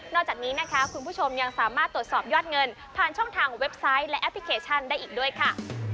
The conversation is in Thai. จากนี้นะคะคุณผู้ชมยังสามารถตรวจสอบยอดเงินผ่านช่องทางเว็บไซต์และแอปพลิเคชันได้อีกด้วยค่ะ